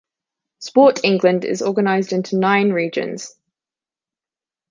Sport England is organised into nine regions.